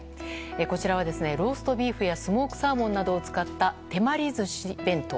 こちらはローストビーフやスモークサーモンなどを使った手まり寿司弁当。